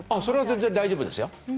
それは全然大丈夫ですよ。